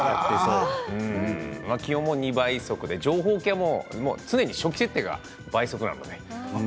基本は２倍速で情報系はすでに初期設定が倍速なので。